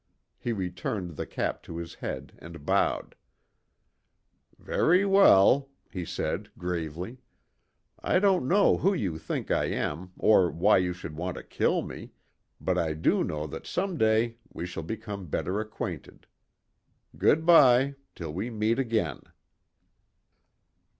He returned the cap to his head and bowed: "Very well," he said gravely. "I don't know who you think I am, or why you should want to kill me, but I do know that some day we shall become better acquainted. Good bye till we meet again."